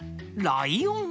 ライオン！